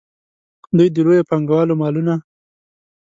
دوی د لویو پانګوالو مالونه.